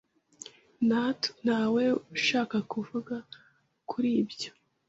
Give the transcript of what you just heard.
Ntawe ushaka kuvuga kuri ibyo.